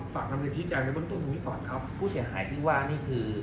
ฝากคำคลิปที่จะในวัตถุของที่ส่วนครับผู้เสียหายที่ว่านี่คือ